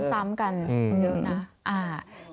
ซ้ำกันเยอะนะ